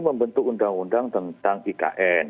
membentuk undang undang tentang ikn